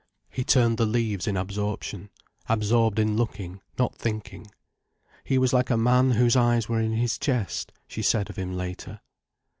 He turned the leaves in absorption, absorbed in looking, not thinking. He was like a man whose eyes were in his chest, she said of him later.